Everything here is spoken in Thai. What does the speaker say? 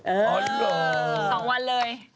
เออสองวันเลย